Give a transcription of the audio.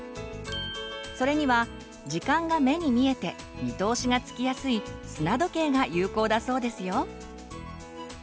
それには時間が目に見えて見通しがつきやすい砂時計が有効だそうですよ。